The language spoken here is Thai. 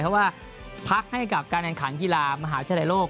เพราะว่าพักให้กับการแน่นขันธุรกิจประหลาดชาติโลก